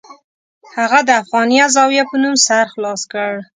هغه د افغانیه زاویه په نوم سر خلاص کړ.